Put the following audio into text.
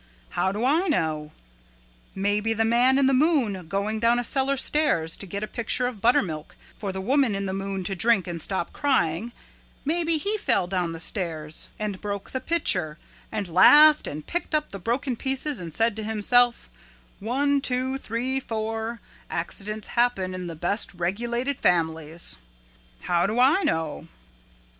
How do I know? Maybe the man in the moon going down a cellar stairs to get a pitcher of butter milk for the woman in the moon to drink and stop crying, maybe he fell down the stairs and broke the pitcher and laughed and picked up the broken pieces and said to himself, 'One, two, three, four, accidents happen in the best regulated families.' How do I know?"